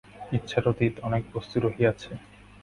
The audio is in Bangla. ইচ্ছার অতীত অনেক বস্তু রহিয়াছে।